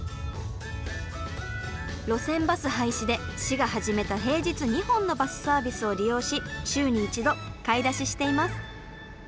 路線バス廃止で市が始めた平日２本のバスサービスを利用し週に１度買い出ししています。